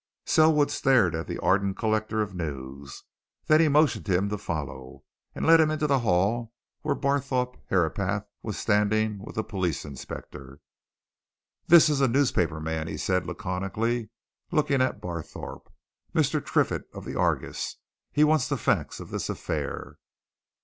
Selwood stared at the ardent collector of news; then he motioned him to follow, and led him into the hall to where Barthorpe Herapath was standing with the police inspector. "This is a newspaper man," he said laconically, looking at Barthorpe. "Mr. Triffitt, of the Argus. He wants the facts of this affair."